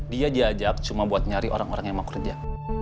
dia jajak cuma buat nyari orang orang yang mau kerja